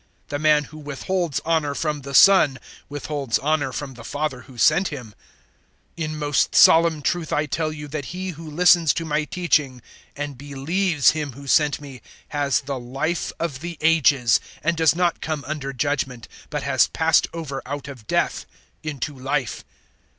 The man who withholds honour from the Son withholds honour from the Father who sent Him. 005:024 "In most solemn truth I tell you that he who listens to my teaching and believes Him who sent me, has the Life of the Ages, and does not come under judgement, but has passed over out of death into Life.